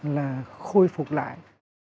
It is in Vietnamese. là khôi phục lại